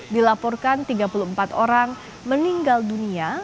dilaporkan tiga puluh empat orang meninggal dunia